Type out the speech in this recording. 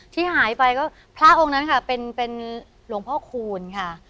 ที่หายไปก็พระองค์นั้นค่ะเป็นหลวงพ่อคูณค่ะ